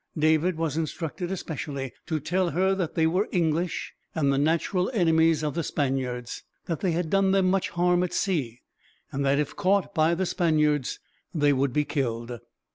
David was instructed, especially, to tell her that they were English, and the natural enemies of the Spaniards; that they had done them much harm at sea; and that, if caught by the Spaniards, they would be killed.